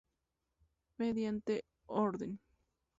Mediante Ord.